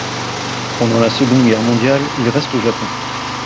Pendant la Seconde Guerre mondiale, il reste au Japon.